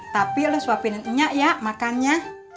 tapi lu suapinnya ya makannya